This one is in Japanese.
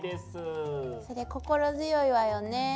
それ心強いわよね。